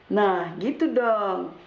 nah gitu dong